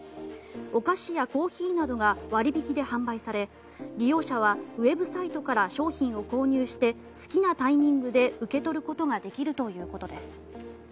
お菓子やコーヒーなどが割引で販売され利用者はウェブサイトから商品を購入して好きなタイミングで受け取ることができるということです。